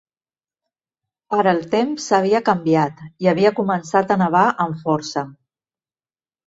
Ara el temps havia canviat i havia començat a nevar amb força.